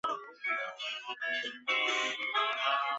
丽纹梭子蟹为梭子蟹科梭子蟹属的动物。